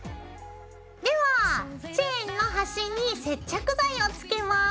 ではチェーンのはしに接着剤をつけます。